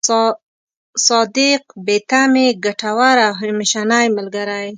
صادق، بې تمې، ګټور او همېشنۍ ملګری.